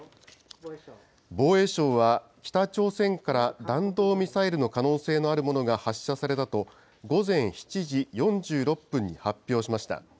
防衛省は、北朝鮮から弾道ミサイルの可能性のあるものが発射されたと、午前７時４６分に発表しました。